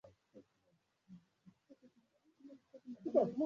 la shirika la mfuko wa ulimwengu wa asili hakuna pomboo aliyeonekana karibu na